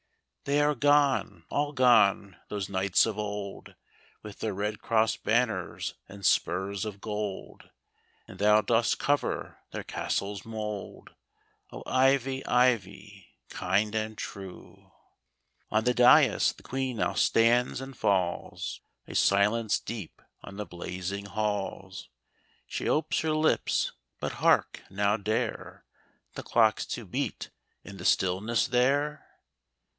They are gone, all gone, those knights of old. With their red cross banners and spurs of gold. And thou dost cover their castle's mould, O, Ivy, Ivy, kind and true ! On the dais the Queen now stands — and falls A silence deep on the blazing halls ; She opes her lips ■— but, hark ! now dare The clocks to beat in the stillness there?